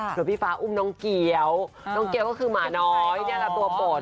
ส่วนพี่ฟ้าอุ้มน้องเกี๊ยวน้องเกี๊ยวก็คือหมาน้อยนี่แหละตัวโปรด